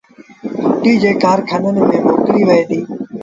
ڦُٽيٚ جڏهيݩ کآرکآݩآݩ ميݩ موڪليٚ وهي ديٚ